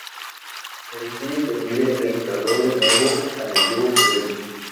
Agustín de Iturbide reinstaló de nuevo al antiguo congreso.